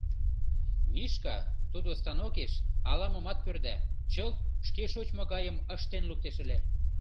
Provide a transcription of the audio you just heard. Мишка тудо станокеш ала-момат пӧрда, чылт шке шочшо гайым ыштен луктеш ыле.